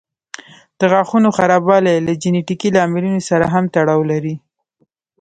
د غاښونو خرابوالی له جینيټیکي لاملونو سره هم تړاو لري.